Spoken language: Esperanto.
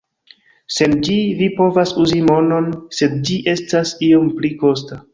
Sen ĝi, vi povas uzi monon, sed ĝi estas iom pli kosta.